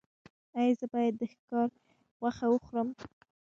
ایا زه باید د ښکار غوښه وخورم؟